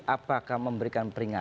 apakah memberikan peringatan